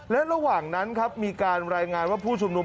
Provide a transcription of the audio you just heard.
และระหว่างนั้นครับมีการรายงานว่าผู้ชุมนุม